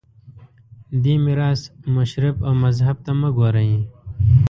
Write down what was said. دې میراث مشرب او مذهب ته مه ګورئ